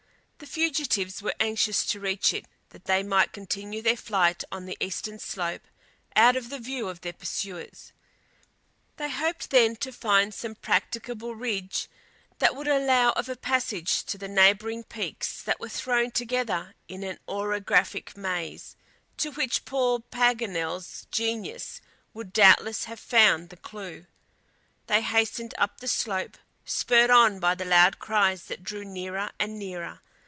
The fugitives were anxious to reach it that they might continue their flight on the eastern slope out of the view of their pursuers. They hoped then to find some practicable ridge that would allow of a passage to the neighboring peaks that were thrown together in an orographic maze, to which poor Paganel's genius would doubtless have found the clew. They hastened up the slope, spurred on by the loud cries that drew nearer and nearer.